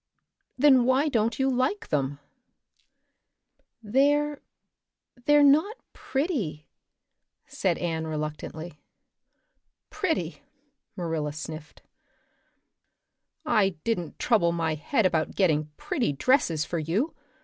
"Then why don't you like them?" "They're they're not pretty," said Anne reluctantly. "Pretty!" Marilla sniffed. "I didn't trouble my head about getting pretty dresses for you.